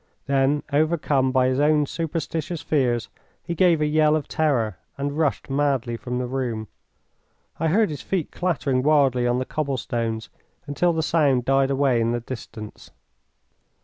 Then, overcome by his own superstitious fears, he gave a yell of terror and rushed madly from the room. I heard his feet clattering wildly on the cobble stones until the sound died away in the distance.